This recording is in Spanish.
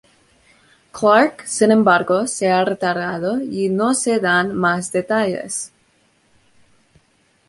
Clark, sin embargo, se ha retirado, y no se dan más detalles.